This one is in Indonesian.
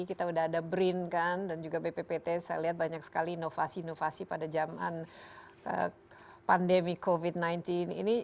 kita sudah ada brin kan dan juga bppt saya lihat banyak sekali inovasi inovasi pada zaman pandemi covid sembilan belas ini